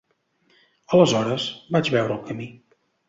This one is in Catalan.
Aleshores, vaig veure el camí.